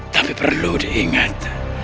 tapi perlu diingat